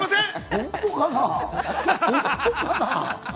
本当かな？